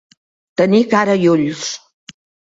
Tenir cara i ulls.